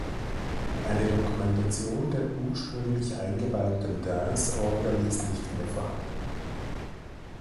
Eine Dokumentation der ursprünglich eingebauten Dinse-Orgel ist nicht mehr vorhanden.